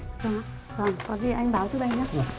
vâng có gì anh báo trước đây nhá